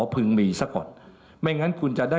พึงมีสักก่อนไม่งั้น